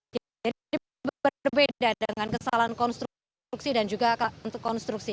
jadi berbeda dengan kesalahan konstruksi dan juga konstruksi